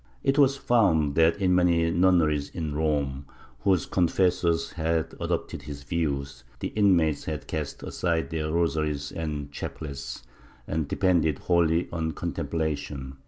It was found that in many nunneries in Rome, whose confessors had adopted his views, the inmates had cast aside their rosaries and chaplets and depended wholly on contemplation.